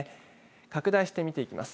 拡大して見ていきます。